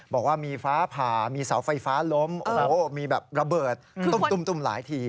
บอกว่ามีฟ้าผ่ามีเสาไฟฟ้าล้มโอ้โหมีแบบระเบิดตุ้มหลายที